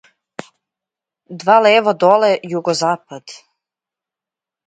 Два лево доле југозапад